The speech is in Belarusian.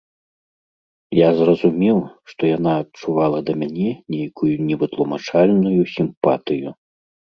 Я зразумеў, што яна адчувала да мяне нейкую невытлумачальную сімпатыю.